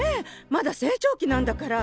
まだ成長期なんだから。